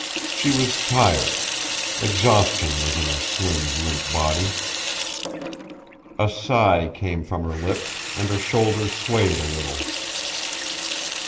She was tired. Exhaustion was in her slim, limp body. A sigh came from her lips, and her shoulders swayed a little.